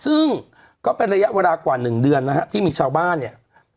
ซึ่งก็เป็นระยะเวลากว่า๑เดือนนะฮะที่มีชาวบ้านเนี่ย